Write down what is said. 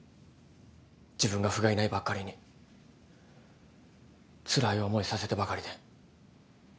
自分がふがいないばっかりにつらい思いさせてばかりで。